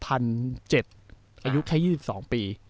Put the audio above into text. อายุแค่๒๒ปี